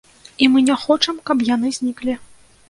І мы не хочам, каб яны зніклі.